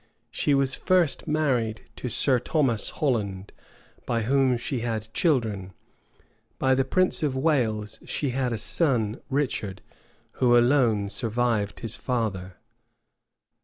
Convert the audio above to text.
She was first married to Sir Thomas Holland, by whom she had children. By the prince of Wales she had a son, Richard, who alone survived his father.